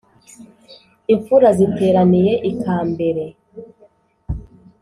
imfura ziteraniye ikambere;